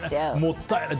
もったいない。